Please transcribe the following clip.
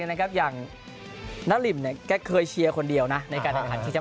นะครับอย่างน้าลินเนี่ยแกเคยเชียร์คนเดียวนะในการหันกรรม